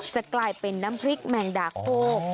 จะกลายเป็นน้ำพริกแมงดาโคก